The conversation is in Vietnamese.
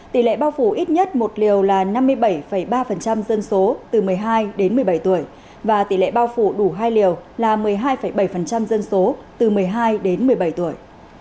tỷ lệ bao phủ ít nhất một liều là năm mươi bảy ba dân số từ một mươi hai đến một mươi bảy tuổi và tỷ lệ bao phủ đủ hai liều là một mươi hai bảy dân số từ một mươi hai đến một mươi bảy tuổi